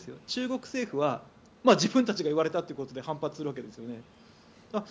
中国政府は自分たちがいわれたということで反発するわけですよね。